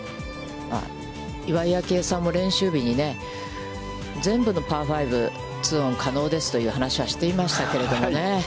岩井明愛さんも練習日に、全部のパー５、ツーオン可能ですという話はしていましたけれどもね。